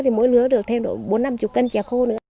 thì mỗi lứa được thêm bốn năm chục cân trè khô nữa